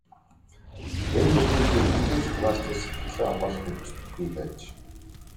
Энэ бүхнийг би хэнтэй ч хуваалцаж, сэтгэлээ онгойлгохыг хүсдэггүй байж.